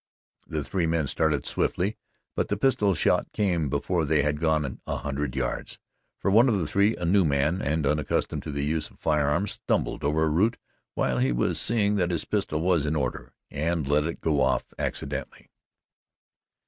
The three men started swiftly, but the pistol shot came before they had gone a hundred yards, for one of the three a new man and unaccustomed to the use of fire arms, stumbled over a root while he was seeing that his pistol was in order and let it go off accidentally.